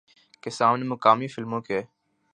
کے سامنے مقامی فلموں کے